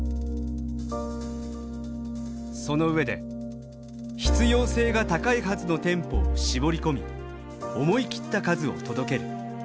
その上で必要性が高いはずの店舗を絞り込み思い切った数を届ける。